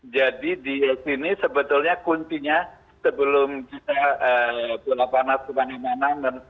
jadi di sini sebetulnya kuntinya sebelum kita berlapanas kemana mana